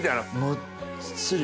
もっちり。